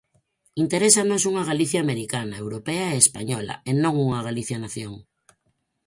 Interésanos unha Galicia americana, europea e española, e non unha Galicia nación.